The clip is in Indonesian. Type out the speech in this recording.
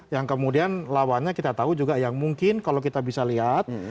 yang kemudian lawannya kita tahu juga yang mungkin kalau kita bisa lihat